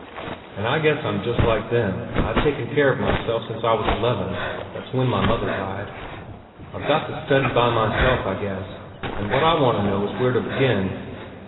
An' I guess I'm just like them. I've taken care of myself since I was eleven—that's when my mother died. I've got to study by myself, I guess, an' what I want to know is where to begin."